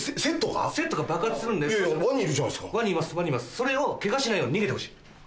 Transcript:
それをケガしないように逃げてほしい。